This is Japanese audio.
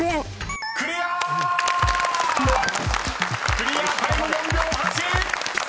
［クリアタイム４秒８！］